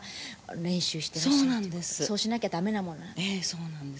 そうなんです。